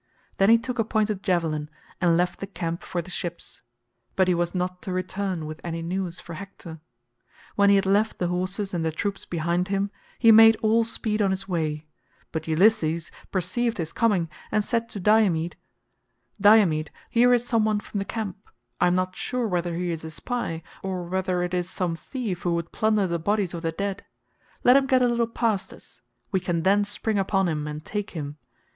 Then he took a pointed javelin, and left the camp for the ships, but he was not to return with any news for Hector. When he had left the horses and the troops behind him, he made all speed on his way, but Ulysses perceived his coming and said to Diomed, "Diomed, here is some one from the camp; I am not sure whether he is a spy, or whether it is some thief who would plunder the bodies of the dead; let him get a little past us, we can then spring upon him and take him.